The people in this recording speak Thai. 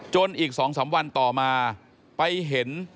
จนอีกสองสามวันต่อมาไปเห็น